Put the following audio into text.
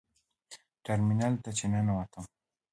ټرمینل ته چې ننوتم.